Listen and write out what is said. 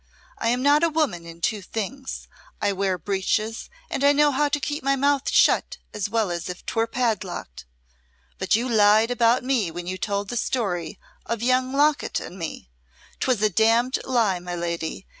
I am not a woman in two things: I wear breeches and I know how to keep my mouth shut as well as if 'twere padlocked; but you lied about me when you told the story of young Lockett and me. 'Twas a damned lie, my lady.